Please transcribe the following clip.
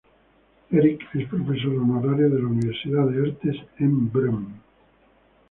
Erik es Profesor Honorario de la Universidad de las Artes en Bremen.